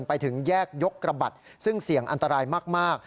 ไปถึงแยกยกระบัดซึ่งเสี่ยงอันตรายมาก